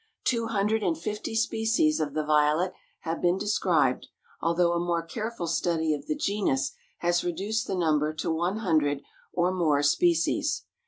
Two hundred and fifty species of the Violet have been described, although a more careful study of the genus has reduced the number to one hundred or more species.